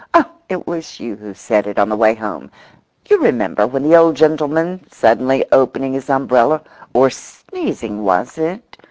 Oh, it was you who said it on the way home, you remember, when the old gentleman, suddenly opening his umbrella—or sneezing was it?